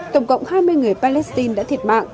tổng cộng hai mươi người palestine đã thiệt mục